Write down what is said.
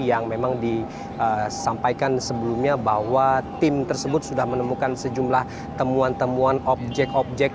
yang memang disampaikan sebelumnya bahwa tim tersebut sudah menemukan sejumlah temuan temuan objek objek